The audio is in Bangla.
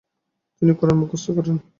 তিনি কুরআন মুখস্থ করেন।